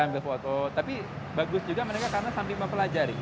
ambil foto tapi bagus juga mereka karena sambil mempelajari